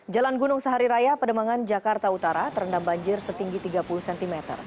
jalan gunung sahari raya pedemangan jakarta utara terendam banjir setinggi tiga puluh cm